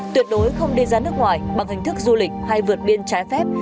tuyệt đối không đi ra nước ngoài bằng hình thức du lịch hay vượt biên trái phép